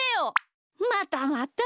またまた。